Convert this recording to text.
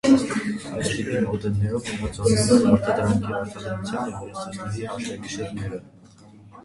Այս տիպի մոդելներում միաձուլվում են արտադրանքի արտադրության և ռեսուրսների հաշվեկշիռները։